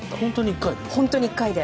本当に１回で？